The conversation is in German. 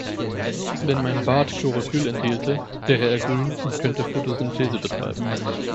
Wenn mein Bart Chlorophyll enthielte, wäre er grün und könnte Fotosynthese betreiben.